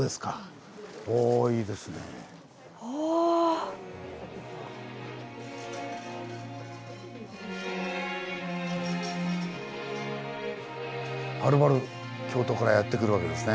はるばる京都からやって来るわけですね。